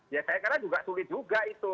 ya saya kira juga sulit juga itu